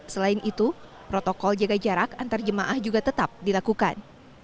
selain itu protokol jaga jarak antar jemaah juga tetap dilakukan